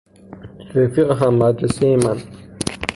رفیق هم مدرسهی من